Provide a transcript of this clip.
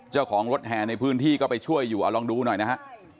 เจ้าของรถแห่ในพื้นที่ก็ไปช่วยอยู่เอาลองดูหน่อยนะฮะ